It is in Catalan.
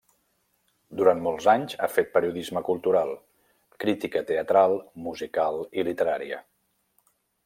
Durant molts anys ha fet periodisme cultural: crítica teatral, musical i literària.